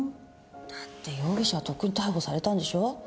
だって容疑者はとっくに逮捕されたんでしょ？